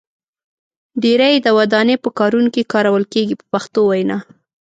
ډیری یې د ودانۍ په کارونو کې کارول کېږي په پښتو وینا.